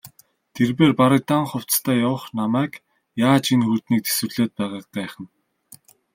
Тэрээр бараг дан хувцастай явах намайг яаж энэ хүйтнийг тэсвэрлээд байгааг гайхна.